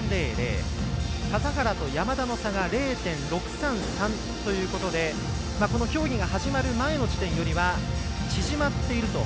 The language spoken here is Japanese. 笠原と山田の差が０．６３３ということで競技が始まる前の時点よりは縮まっていると。